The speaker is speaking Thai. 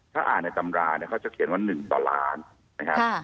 ถ้าอ่านในตำราเนี่ยเขาจะเขียนว่า๑ต่อล้านนะครับ